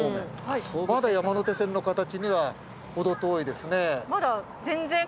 まだ山手線の形には程遠いですね。